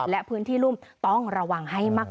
และพื้นที่รุ่มต้องระวังให้มาก